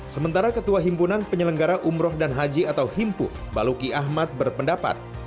sementara ketua himpunan penyelenggara umroh dan haji atau himpu baluki ahmad berpendapat